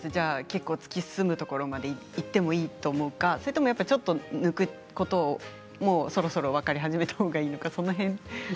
結構突き進むところまでいってもいいと思うのかそれともちょっと抜くことをそろそろ分かり始めた方がいいのか。